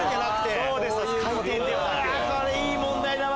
これいい問題だわ！